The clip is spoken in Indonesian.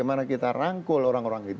justru bagaimana kita rangkul orang orang itu